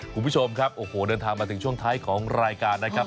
คุณผู้ชมครับโอ้โหเดินทางมาถึงช่วงท้ายของรายการนะครับ